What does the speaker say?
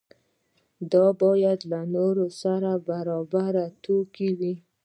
دا باید له نورو سره په برابره توګه وي.